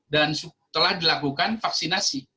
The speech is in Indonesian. dan setelah dilakukan vaksinasi